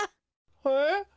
えっ？